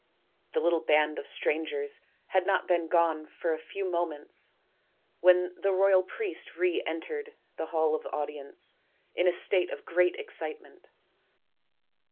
The little band of strangers had not been gone for a few moments when the royal priest re entered the hall of audience in a state of great excitement.